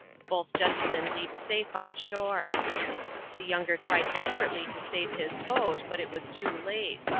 Both gentlemen leaped safe on shore. The younger tried desperately to save his boat, but it was too late.